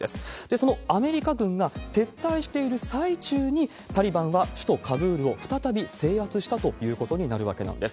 そのアメリカ軍が撤退している最中に、タリバンは首都カブールを再び制圧したということになるわけなんです。